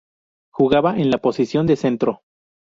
Jugaba en la posición de centro.